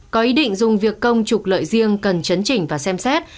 có ý định dùng việc công trục lợi riêng cần chấn chỉnh và xem xét